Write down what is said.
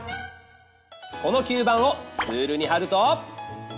この吸盤をツールにはると。